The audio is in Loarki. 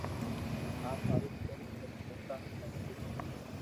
آپ ھارو ڪوئي ڪرن ديکارو ھي جي مون